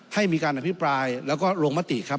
ให้มีการอภิปรายแล้วก็ลงมติครับ